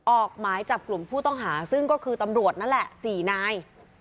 ออกหมายจับกลุ่มผู้ต้องหาซึ่งก็คือตำรวจนั่นแหละ๔นาย